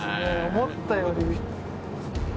思ったより。